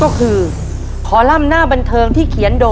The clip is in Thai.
ยังเหลือเวลาทำไส้กรอกล่วงได้เยอะเลยลูก